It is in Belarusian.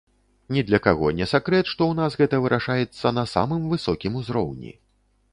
Ні для каго не сакрэт, што ў нас гэта вырашаецца на самым высокім узроўні.